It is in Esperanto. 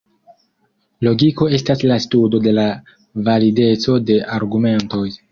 Logiko estas la studo de la valideco de argumentoj.